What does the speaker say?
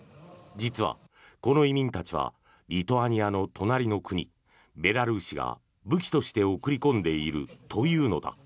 実は、この移民たちはリトアニアの隣の国ベラルーシが武器として送り込んでいるというのだ。